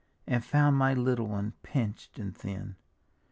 And found my little one, pinch'd and thin.